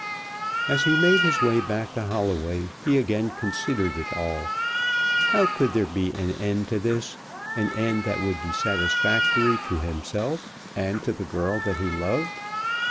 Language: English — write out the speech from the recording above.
As he made his way back to Holloway he again considered it all. How could there be an end to this, an end that would be satisfactory to himself and to the girl that he loved?